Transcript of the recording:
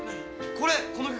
これこの曲。